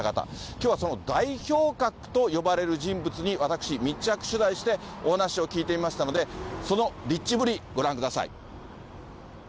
きょうはその代表格と呼ばれる人物に私、密着取材して、お話を聞いてまいりましたので、そのリッチぶり、ご覧ください。